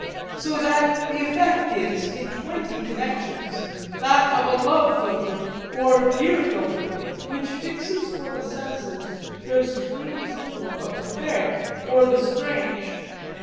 so that the effect is, in twenty connections, that of a love philtre or fear philtre which fixes for the senses their supreme symbol of the fair or the strange.